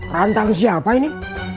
rantang siapa ini